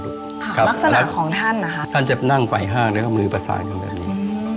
ลักษณะของท่านนะครับถ้าเจปนั่งกว่ายห้างและมือประสานกันแบบนี้